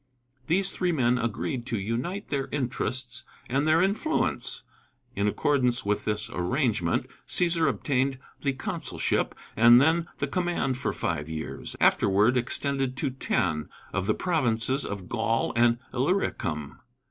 These three men agreed to unite their interests and their influence. In accordance with this arrangement Cæsar obtained the consulship, and then the command for five years, afterward extended to ten, of the provinces of Gaul and Illyricum.